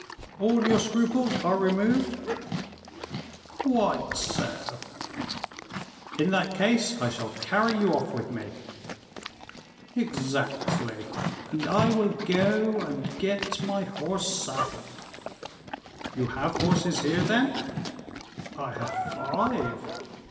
"All your scruples are removed?" "Quite so." "In that case I shall carry you off with me." "Exactly; and I will go and get my horse saddled." "You have horses here, then?" "I have five."